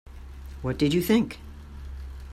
What did you think?